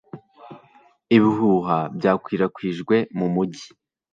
Ibihuha byakwirakwijwe mu mujyi.